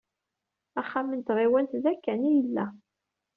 Axxam n tɣiwant da kan i yella.